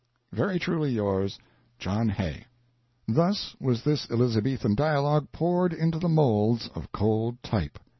Very truly yours, John Hay. Thus was this Elizabethan dialogue poured into the moulds of cold type.